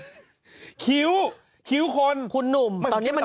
คิ้วคนมันมีตัวตะเกียบไปไว้บนนี้มันคุณหนุ่มมันเป็นเทรนด์